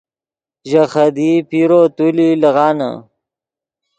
ژے خدیئی پیرو تولی لیغانے